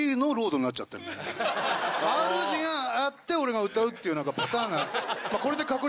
ＲＧがやって俺が歌うっていうパターンが。